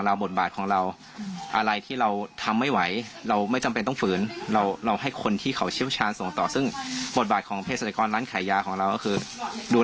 แล้วดูแล้วมีความเสี่ยงเราส่งต่อให้คนที่เขาเชี่ยวชาญกว่าเราดู